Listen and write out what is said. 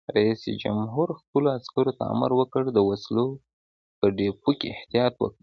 رئیس جمهور خپلو عسکرو ته امر وکړ؛ د وسلو په ډیپو کې احتیاط وکړئ!